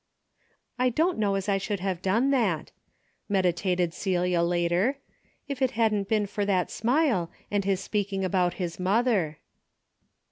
" I don't know as I should have done that," meditated Celia later, "if it hadn't been for that smile and his speaking about his mother."